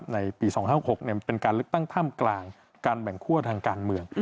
ในปี๒๕๖มันเป็นการเลือกตั้งท่ามกลางการแบ่งคั่วทางการเมือง